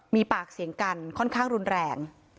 มีปากเสียงกันค่อนข้างรุนแรง